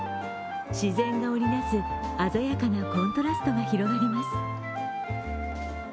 自然が織りなす、鮮やかなコントラストが広がります。